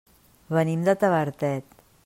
Venim de Tavertet.